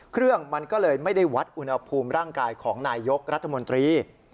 เครื่องมันก็เลยไม่ได้วัดอุณหภูมิร่างกายของนายยกรัฐมนตรี